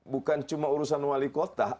bukan cuma urusan wali kota